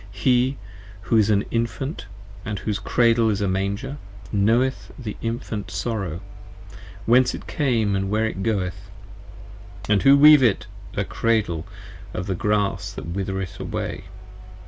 5 He who is an Infant, and whose Cradle is a Manger, Knoweth the Infant sorrow : whence it came, and where it goeth : And who weave it a Cradle of the grass that withereth away.